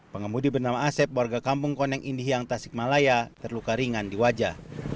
pengemudi bernama asep warga kampung koneng indih yang tasikmalaya terluka ringan di wajah